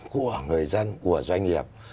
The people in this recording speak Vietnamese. của người dân của doanh nghiệp